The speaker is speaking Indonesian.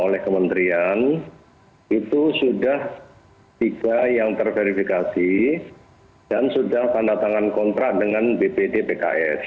oleh kementerian itu sudah tiga yang terverifikasi dan sudah tanda tangan kontrak dengan bpd pks